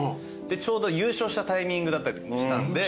でちょうど優勝したタイミングだったりとかもしたんで。